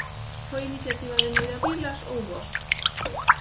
Foi iniciativa de Neira Vilas ou vosa?